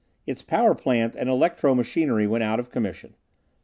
Its power plant and electro machinery went out of commission.